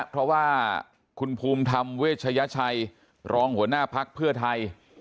เพราะว่าคุณภูมิธรรมเวชยชัยรองหัวหน้าภักดิ์เพื่อไทย